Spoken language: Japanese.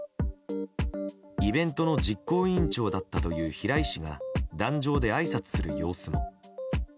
イベントの実行委員長だったという、平井氏が壇上であいさつする様子も。